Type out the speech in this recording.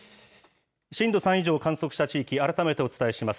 震度３以上を観測した地域、改めてお伝えします。